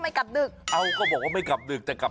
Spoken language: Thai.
ไม่แน่เหมือนกัน